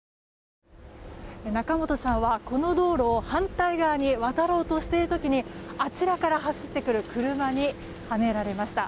仲本さんは、この道路を反対側に渡ろうとしている時にあちらから走ってくる車にはねられました。